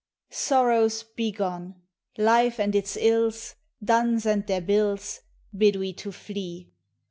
Sorrows, begone! Life and its ills. Duns and their bills, Bid we to flee.